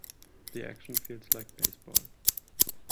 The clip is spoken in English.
The action feels like baseball.